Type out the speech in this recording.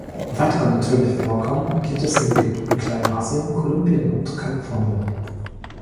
Weitere natürliche Vorkommen gibt es in Ägypten, Kleinasien, Kolumbien und Kalifornien.